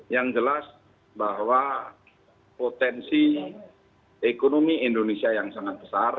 yang jelas bahwa potensi ekonomi indonesia yang sangat besar